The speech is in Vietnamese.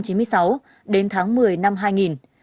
cục trưởng cục tham mưu an ninh bộ công an